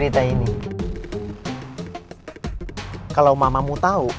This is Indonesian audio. kita ke dalam yuk